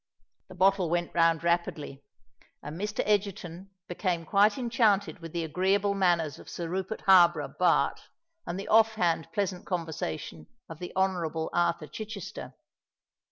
The bottle went round rapidly; and Mr. Egerton became quite enchanted with the agreeable manners of Sir Rupert Harborough, Bart., and the off hand pleasant conversation of the Honourable Arthur Chichester.